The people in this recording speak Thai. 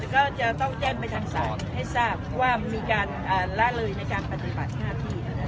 ก็จะต้องแจ้งไปทางศาลให้ทราบว่ามีการละเลยในการปฏิบัติหน้าที่